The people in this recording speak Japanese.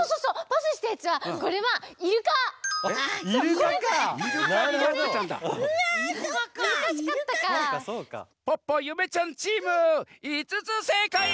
ポッポゆめちゃんチーム５つせいかい！